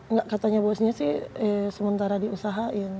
enggak katanya bosnya sih sementara diusahain